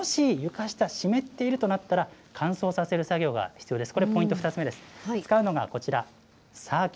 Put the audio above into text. もし床下、湿っているとなったら、乾燥させる作業が必要です。